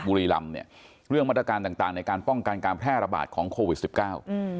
บุรีรำเนี่ยเรื่องมาตรการต่างต่างในการป้องกันการแพร่ระบาดของโควิดสิบเก้าอืม